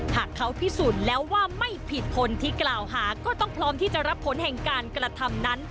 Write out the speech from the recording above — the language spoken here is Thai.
หากเขาพิสูจน์แล้วว่าไม่ผิดผลที่กล่าวหาก็ต้องพร้อมที่จะรับผลแห่งการกระทำนั้น